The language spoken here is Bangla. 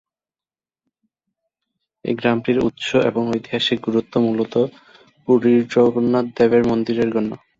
এই গ্রামটির উৎস এবং ঐতিহাসিক গুরুত্ব মূলতঃ পুরীর জগন্নাথ দেবের মন্দিরের গন্য।